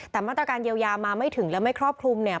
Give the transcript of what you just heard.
แต่มาตรการเยียวยามาไม่ถึงและไม่ครอบคลุมเนี่ย